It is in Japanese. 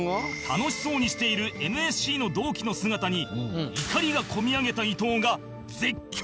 楽しそうにしている ＮＳＣ の同期の姿に怒りが込み上げた伊藤が絶叫